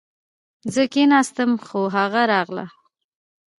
زه کښېناستم خو هغه راغله